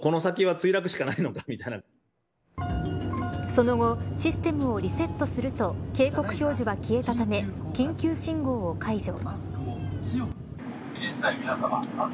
その後システムをリセットすると警告表示は消えたため緊急信号を解除。